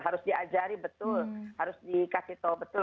harus diajari betul harus dikasih tahu betul